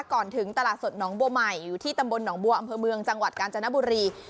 ก่อนถึงตลาดสดหนองบัวใหม่อยู่ที่ตำบลหนองบัวอำเภอเมืองจังหวัดกาญจนบุรี